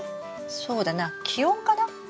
そうだな気温かな。